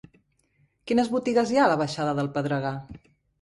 Quines botigues hi ha a la baixada del Pedregar?